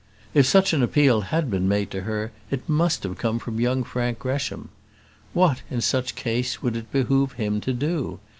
If such an appeal had been made to her, it must have come from young Frank Gresham. What, in such case, would it behove him to do?